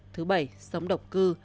thứ bảy sống độc cư